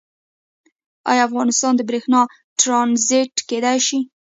آیا افغانستان د بریښنا ټرانزیټ کیدی شي؟